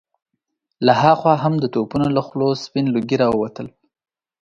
له هاخوا هم د توپونو له خولو سپين لوګي را ووتل.